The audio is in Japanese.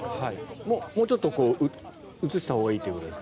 もうちょっと映したほうがいいということですか？